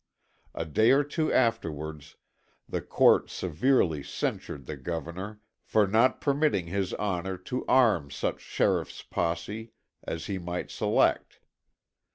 A day or two afterwards the court severely censured the Governor for not permitting His Honor to arm such sheriff's posse as he might select.